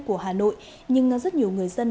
của hà nội nhưng rất nhiều người dân